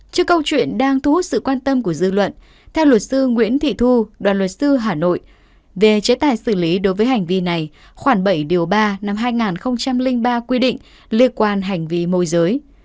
trước câu chuyện đang thu hút sự quan tâm của dư luận theo luật sư nguyễn thị thu đoàn luật sư hà nội về chế tài xử lý đối với hành vi này khoảng bảy điều ba năm hai nghìn ba quy định liên quan hành vi môi giới